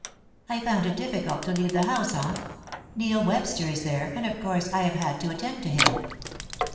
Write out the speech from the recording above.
"I found it difficult to leave the house, aunt; Neil Webster is there, and, of course, I have had to attend to him."